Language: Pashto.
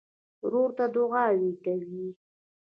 ورور ته دعاوې کوې.